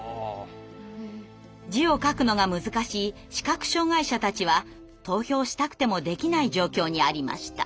字を書くのが難しい視覚障害者たちは投票したくてもできない状況にありました。